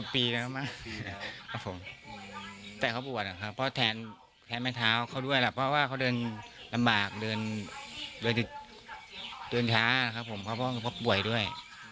เพราะแทนแม่นเท้าเขาด้วยเพราะว่าเขาเดินลำบากเดินช้าเพราะว่าเพราะป่วยด้วย